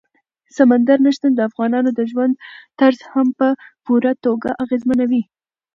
سمندر نه شتون د افغانانو د ژوند طرز هم په پوره توګه اغېزمنوي.